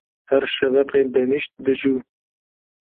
Her şeveqê benîşt dicû.